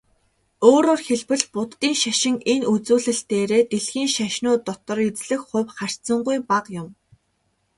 Өөрөөр хэлбэл, буддын шашин энэ үзүүлэлтээрээ дэлхийн шашнууд дотор эзлэх хувь харьцангуй бага юм.